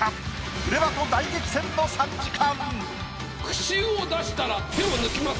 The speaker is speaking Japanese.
『プレバト』大激戦の３時間。